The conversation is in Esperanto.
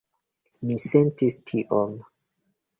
Mi sentis tion.